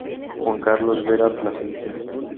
Juan Carlos Vera Plasencia.